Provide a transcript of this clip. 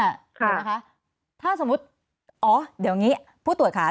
เดี๋ยวนะคะถ้าสมมุติอ๋อเดี๋ยวนี้ผู้ตรวจค่ะ